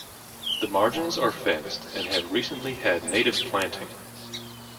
The margins are fenced and have recently had native planting.